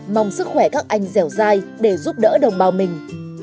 mong sức khỏe các anh dẻo dai để giúp đỡ đồng bào mình